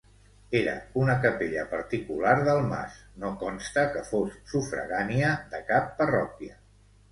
Era una capella particular del mas, no consta que fos sufragània de cap parròquia.